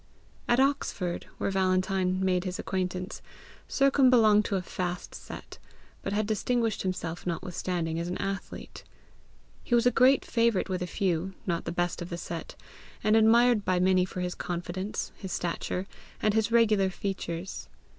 At Oxford, where Valentine made his acquaintance, Sercombe belonged to a fast set, but had distinguished himself notwithstanding as an athlete. He was a great favourite with a few, not the best of the set, and admired by many for his confidence, his stature, and his regular features.